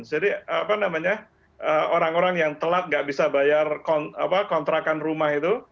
jadi orang orang yang telat nggak bisa bayar kontrakan rumah itu